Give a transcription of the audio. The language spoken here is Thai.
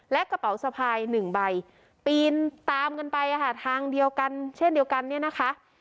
และกระเป๋าสะพายหนึ่งใบปีนตามกันไปทางเดียวกันเช่นเดียวกันเนี่ยนะคะ